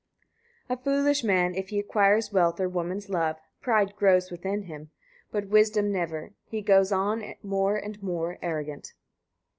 79. A foolish man, if he acquires wealth or woman's love, pride grows within him, but wisdom never: he goes on more and more arrogant.